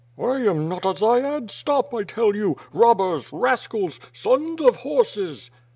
I am not a dziad; stop, I tell you! Robbers! Rascals! Sons of horses!"